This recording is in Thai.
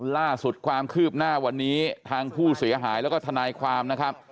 ล่าสุดความคืบหน้าวันนี้ทางผู้เสียหายแล้วก็ทนายความนะครับ